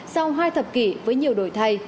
sau hai thập kỷ với nhiều đổi thay